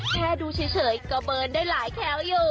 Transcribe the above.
แค่ดูเฉยก็เบิร์นได้หลายแค้วอยู่